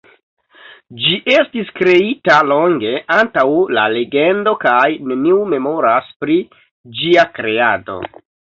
Ĝi estis kreita longe antaŭ la legendo kaj neniu memoras pri ĝia kreado.